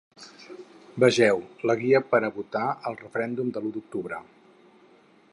Vegeu: La guia per a votar al referèndum de l’u d’octubre.